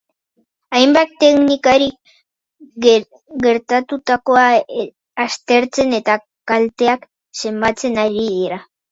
Hainbat teknikari gertatutakoa aztertzen eta kalteak zenbatzen ari dira.